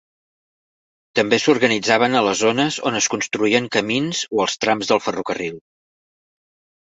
També s'organitzaven a les zones on es construïen camins o els trams del ferrocarril.